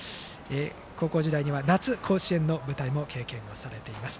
高校時代には夏、甲子園の舞台も経験されています。